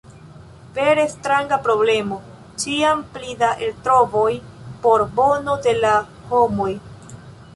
Vere stranga problemo: ĉiam pli da eltrovoj por bono de la homoj.